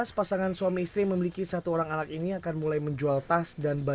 dua belas pasangan suami istri yang memiliki satu orang anak ini akan mulai menjual tas dan barang